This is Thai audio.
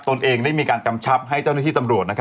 ตนเองได้มีการกำชับให้เจ้าหน้าที่ตำรวจ